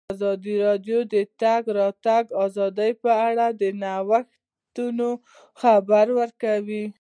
ازادي راډیو د د تګ راتګ ازادي په اړه د نوښتونو خبر ورکړی.